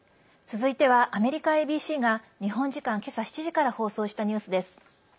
続いてはアメリカＡＢＣが日本時間、今朝７時から放送したニュースです。